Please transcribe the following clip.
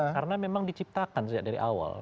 karena memang diciptakan dari awal